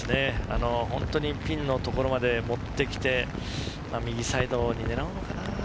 ピンのところまで持ってきて右サイドに狙うのかな？